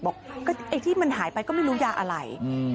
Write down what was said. ไอ้ที่มันหายไปก็ไม่รู้ยาอะไร